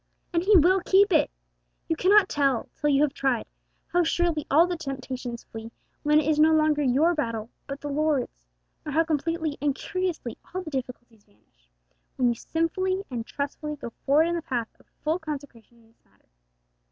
And He will keep it! You cannot tell, till you have tried, how surely all the temptations flee when it is no longer your battle but the Lord's; nor how completely and curiously all the difficulties vanish, when you simply and trustfully go forward in the path of full consecration in this matter.